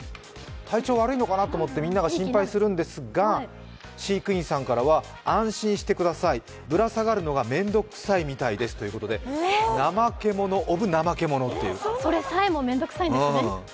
体調悪いのかなと思ってみんなが心配するんですが飼育員からは安心してください、ぶら下がるのが面倒くさいみたいですということでナマケモノ・オブ・ナマケモノということで。